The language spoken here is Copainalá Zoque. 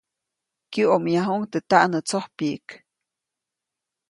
Kyäʼomyajuʼuŋ teʼ taʼnätsojpyiʼk.